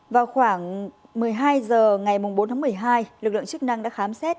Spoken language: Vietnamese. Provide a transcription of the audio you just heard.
vào khoảng một mươi hai h ngày bốn tháng một mươi hai lực lượng chức năng đã khám xét